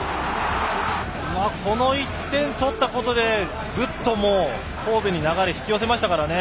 この１点取ったことでぐっと、神戸に流れを引き寄せましたからね。